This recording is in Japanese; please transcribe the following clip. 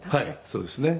そうですね。